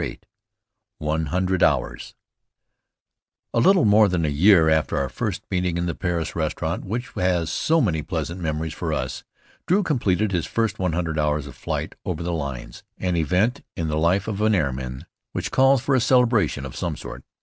VIII ONE HUNDRED HOURS A little more than a year after our first meeting in the Paris restaurant which has so many pleasant memories for us, Drew completed his first one hundred hours of flight over the lines, an event in the life of an airman which calls for a celebration of some sort.